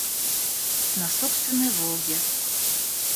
на собственной "Волге".